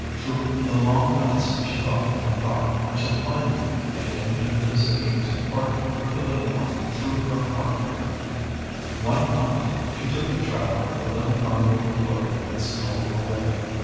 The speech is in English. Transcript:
Through the long nights she thought and thought, until finally she came to the decision to part with the little one though her heart break. One night she took the child with a little bundle of clothing and stole away.